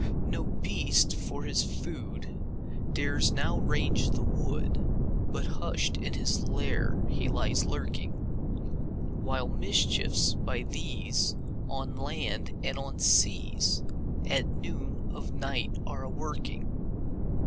No beast, for his food, Dares now range the wood, But hush'd in his lair he lies lurking; While mischiefs, by these, On land and on seas, At noon of night are a working.